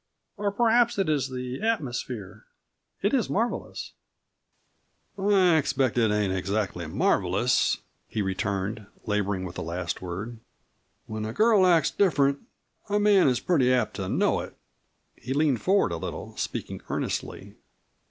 Or perhaps it is the atmosphere it is marvelous." "I expect it ain't exactly marvelous," he returned, laboring with the last word. "When a girl acts different, a man is pretty apt to know it." He leaned forward a little, speaking earnestly.